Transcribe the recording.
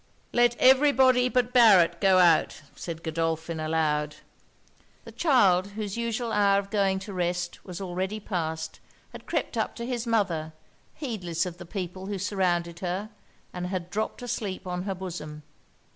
'Let every body but Barret go out,' said Godolphin aloud. The child, whose usual hour of going to rest was already past, had crept up to his mother, heedless of the people who surrounded her, and had dropped asleep on her bosom.